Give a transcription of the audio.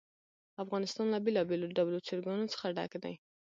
افغانستان له بېلابېلو ډولو چرګانو څخه ډک دی.